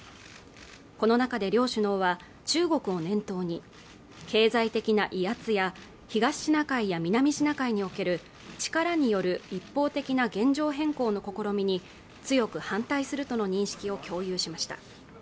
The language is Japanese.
この中で両首脳は、中国を念頭に、経済的な威圧や、東シナ海や南シナ海における力による一方的な現状変更の試みに強く反対するとの認識を共有しました。